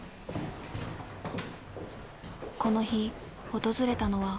この日訪れたのは。